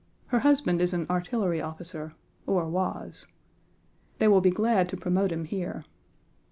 Her husband is an artillery officer, or was. They will be glad to promote him here. Mrs.